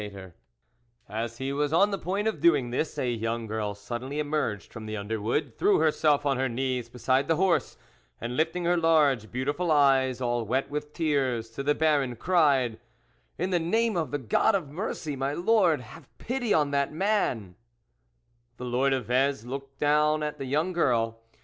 A YOUNG GIRL SUDDENLY EMERGED FROM THE UNDERWOOD THE WOLF LEADER 23 As he was on the point of doing this, a young girl suddenly emerged from the undenvood, threw herself on her knees be side the horse, and lifting her large, beau tiful eyes, all wet with tears, to the Baron, cried :" In the name of the God of mercy, my Lord, have pity on that man !" The Lord of Vez looked down at the young girl.